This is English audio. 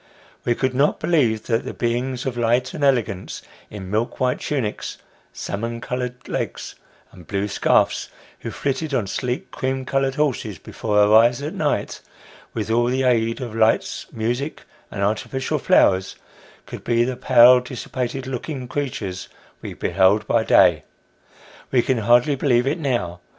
We could not believe that the beings of light and elegance, in milk white tunics, salmon coloured legs, and blue scarfs, who flitted on sleek cream coloured horses before our eyes at night, with all the aid of lights, music, and artificial flowers, could be the pale, dissipated looking creatures we beheld by day. Wo can hardly believe it now.